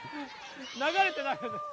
流れてないです。